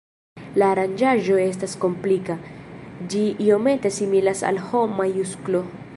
La aranĝaĵo estas komplika, ĝi iomete similas al H-majusklo.